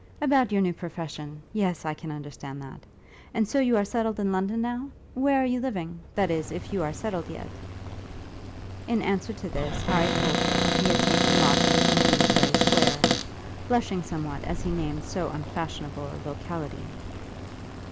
"About your new profession. Yes, I can understand that. And so you are settled in London now? Where are you living; that is, if you are settled yet?" In answer to this, Harry told her that he had taken lodgings in Bloomsbury Square, blushing somewhat as he named so unfashionable a locality.